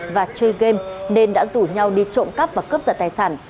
và chơi game nên đã rủ nhau đi trộm cắp và cướp giật tài sản